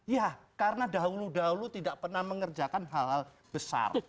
ya karena dahulu dahulu tidak pernah mengerjakan hal hal besar